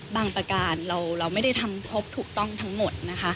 ประการเราไม่ได้ทำครบถูกต้องทั้งหมดนะคะ